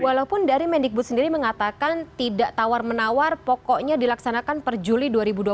walaupun dari mendikbud sendiri mengatakan tidak tawar menawar pokoknya dilaksanakan per juli dua ribu dua puluh